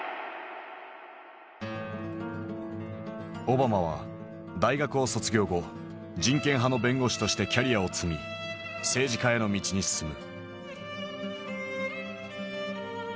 オバマは大学を卒業後人権派の弁護士としてキャリアを積み政治家への道に進む。